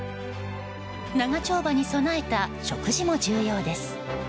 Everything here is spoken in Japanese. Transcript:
長丁場に備えた、食事も重要です。